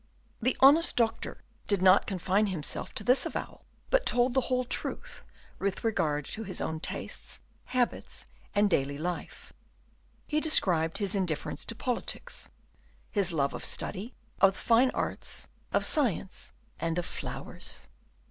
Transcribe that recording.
The honest doctor did not confine himself to this avowal, but told the whole truth with regard to his own tastes, habits, and daily life. He described his indifference to politics, his love of study, of the fine arts, of science, and of flowers.